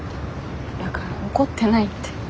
だから怒ってないって。